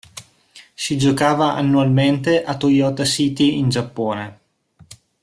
Si giocava annualmente a Toyota City in Giappone.